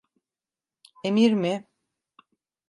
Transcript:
Emir mi?